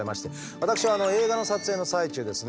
私は映画の撮影の最中ですね